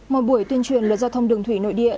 một buổi tuyên truyền luật giao thông đường thủy nội địa